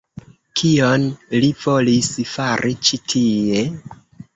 Kion li volis fari ĉi tie?